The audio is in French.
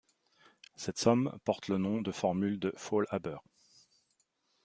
Cette somme porte le nom de formule de Faulhaber.